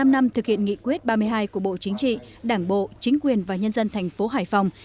một mươi năm năm thực hiện nghị quyết ba mươi hai của bộ chính trị đảng bộ chính quyền và nhân dân thành phố hải phòng